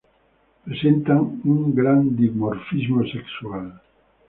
Presentan un gran dimorfismo sexual.